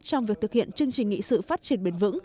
trong việc thực hiện chương trình nghị sự phát triển bền vững